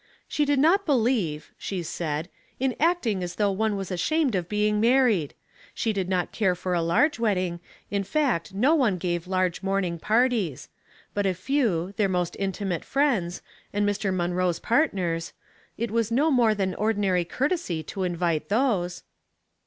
"She did not believe," she said, " in acting as though one was ashamed of being married. She did not care for a large wedding, in fact no one gave laige morning parties ; but a few, their most in timate friends, and Mr. Monroe's partners, it was no more than ordinary courtesy to invite those."